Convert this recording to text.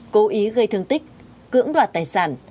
cố ý gây thương tích cưỡng đoạt tài sản